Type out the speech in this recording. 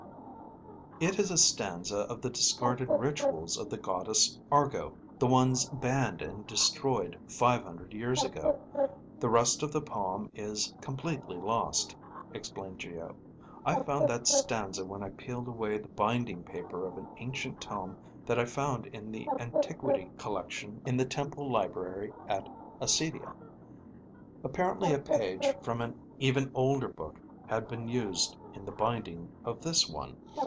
"It is a stanza of the discarded rituals of the Goddess Argo, the ones banned and destroyed five hundred years ago. The rest of the poem is completely lost," explained Geo. "I found that stanza when I peeled away the binding paper of an ancient tome that I found in the Antiquity Collection in the Temple Library at Acedia. Apparently a page from an even older book had been used in the binding of this one.